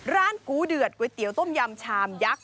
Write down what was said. กูเดือดก๋วยเตี๋ยวต้มยำชามยักษ